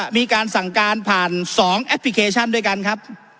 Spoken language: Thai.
มีการสั่งการผ่าน๒แอปพลิเคชันด้วยกันครับ